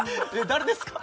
誰ですか？